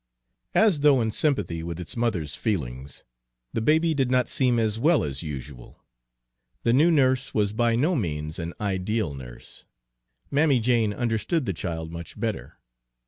As though in sympathy with its mother's feelings, the baby did not seem as well as usual. The new nurse was by no means an ideal nurse, Mammy Jane understood the child much better.